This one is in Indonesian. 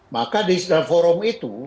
maka di dalam forum itu